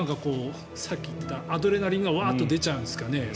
さっき言っていたアドレナリンがウワッーと出ちゃうんですかね。